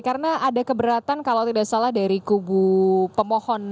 karena ada keberatan kalau tidak salah dari kubu pemohon satu